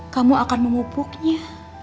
kamu akan mengupuknya